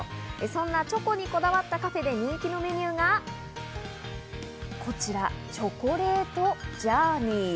そんなチョコにこだわったカフェで人気のメニューがこちらチョコレートジャーニー。